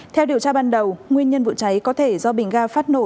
theo điều tra ban đầu nguyên nhân vụ cháy có thể do bình ga phát nổ